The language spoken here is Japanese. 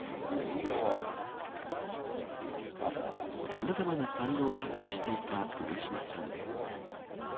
さまざまな才能を発揮していた上島さん。